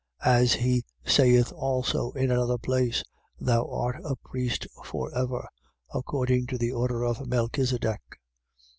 5:6. As he saith also in another place: Thou art a priest for ever, according to the order of Melchisedech.